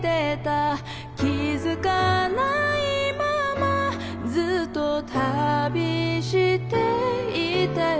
「気づかないままずっと旅していたよ」